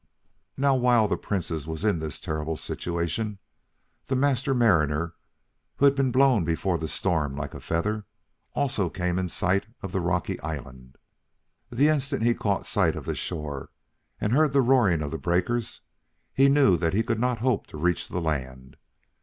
Now while the Princess was in this terrible situation, the Master Mariner, who had been blown before the storm like a feather, also came in sight of the rocky island. The instant he caught sight of the shore, and heard the roaring of the breakers, he knew that he could not hope to reach the land.